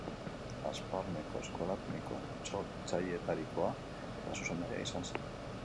Hazparneko eskola teknikoaren sortzaileetarikoa eta zuzendaria izan zen.